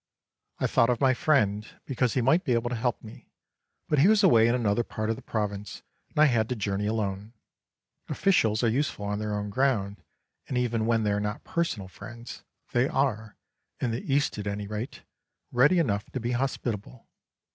I thought of my friend, because he might be able to help me, but he was away in another part of the province and I had to journey alone. Officials are useful on their own ground, and even when they are not personal friends, they are, in the East at any rate, ready enough to be hospitable.